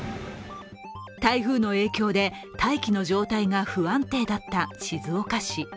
台風の影響で大気の状態が不安定だった静岡市。